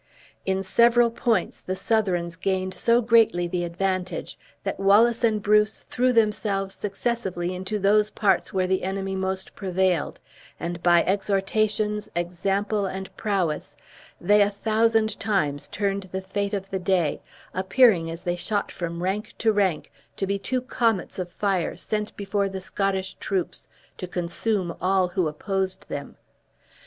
In several points the Southrons gained so greatly the advantage that Wallace and Bruce threw themselves successively into those parts where the enemy most prevailed, and by exhortations, example and prowess they a thousand times turned the fate of the day, appearing as they shot from rank to rank to be two comets of fire sent before the Scottish troops to consume all who opposed them.